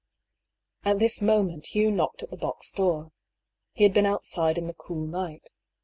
At this moment Hugh knocked at the box door. He had been outside in the cool night.